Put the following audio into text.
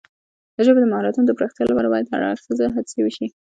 د ژبې د مهارتونو د پراختیا لپاره باید هر اړخیزه هڅې وشي.